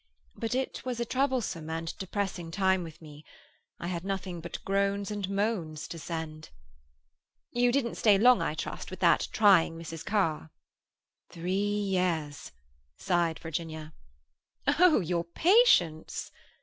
But it was a troublesome and depressing time with me. I had nothing but groans and moans to send." "You didn't stay long, I trust, with that trying Mrs. Carr?" "Three years!" sighed Virginia. "Oh, your patience!"